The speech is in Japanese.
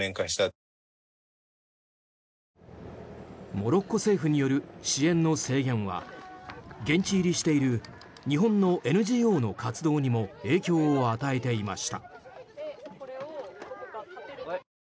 モロッコ政府による支援の制限は現地入りしている日本のＮＧＯの活動にも影響を与えていました。